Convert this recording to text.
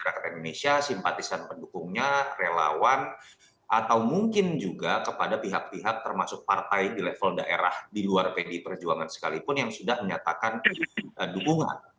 masyarakat indonesia simpatisan pendukungnya relawan atau mungkin juga kepada pihak pihak termasuk partai di level daerah di luar pdi perjuangan sekalipun yang sudah menyatakan dukungan